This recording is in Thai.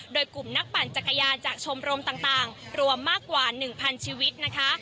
โดยกลุ่มนักปั่นจักรยานจากชมรมต่างรวมมากกว่า๑๐๐ชีวิตนะคะ